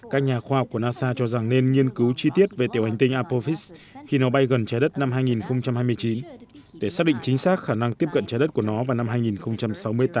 các nhà khoa học của nasa cho rằng nên nghiên cứu chi tiết về tiểu hành tinh apophis khi nó bay gần trái đất năm hai nghìn hai mươi chín để xác định chính xác khả năng tiếp cận trái đất của nó vào năm hai nghìn sáu mươi tám